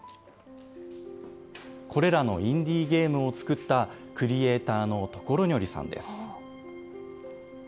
これらのインディーゲームを作ったクリエーターのところにょりさんです。